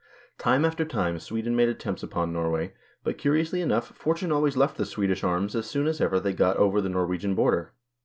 Time after time Sweden made attempts upon Norway, but, curiously enough, fortune always left the Swedish arms as soon as ever they got over the Norwegian border.